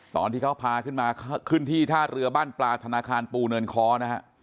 ตอนที่เขาพาขึ้นมาขึ้นที่ท่าเรือบ้านปลาธนาคารปูเนินคอนะฮะ